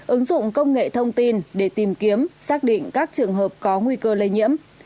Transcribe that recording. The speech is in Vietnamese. ứng dụng công nghệ thông tin để tìm kiếm xác định các trường hợp có nguy cơ lây nhiễm